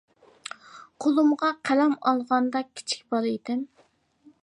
قولۇمغا قەلەم ئالغاندا كىچىك بالا ئىدىم.